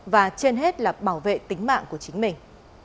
và trên hết là bảo vệ tính mạng của chính mình